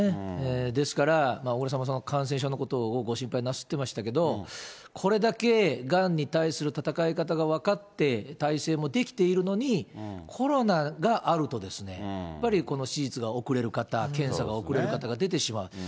ですから、小倉さんも感染症のことをご心配なすってましたけど、これだけがんに対する闘い方が分かって、態勢もできているのに、コロナがあると、やっぱりこの手術が遅れる方、検査が遅れる方が出てしまう。